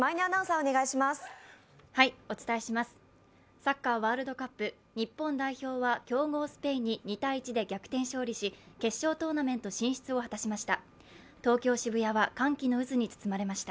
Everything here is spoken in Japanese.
サッカーワールドカップ日本代表は強豪スペインに２−１で逆転勝利し決勝トーナメント進出を果たしました。